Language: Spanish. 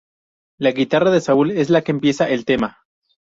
La guitarra de Saúl es la que empieza el tema.